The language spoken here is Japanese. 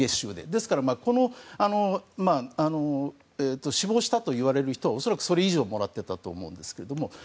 ですからこの死亡したといわれる人は恐らくそれ以上もらっていたと思うんですけど。